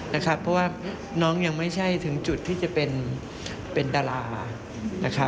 เพราะว่าน้องยังไม่ใช่ถึงจุดที่จะเป็นตลาด